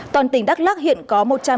toàn tỉnh đắk lắc hiện cố